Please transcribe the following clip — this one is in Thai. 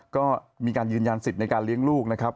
ก็มีการยืนยันสิทธิ์ในการเลี้ยงลูกนะครับ